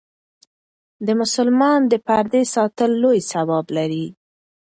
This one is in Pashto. د مسلمان د پردې ساتل لوی ثواب لري.